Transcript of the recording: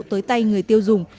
tới tay người tiêu dùng